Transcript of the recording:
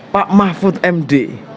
pak mahfud md